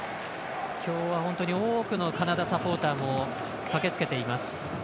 今日は、本当に多くのカナダサポーターも駆けつけています。